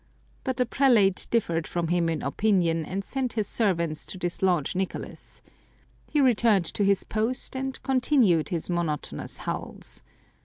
But the prelate differed from him in opinion, and sent o 193 Curiosities of Olden Times his servants to dislodge Nicolas. He returned to his post, and continued his monotonous howls.